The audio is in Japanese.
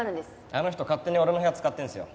あの人勝手に俺の部屋使ってるんですよ。